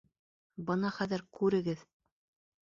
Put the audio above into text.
Бына хәҙер күрегеҙ!